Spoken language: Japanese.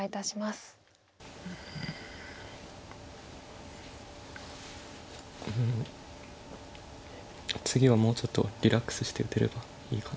次はもうちょっとリラックスして打てればいいかなと思います。